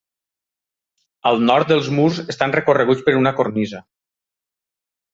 Al nord els murs estan recorreguts per una cornisa.